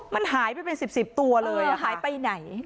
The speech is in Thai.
มันหายไปเป็น๑๐ตัวเลยหายไปไหน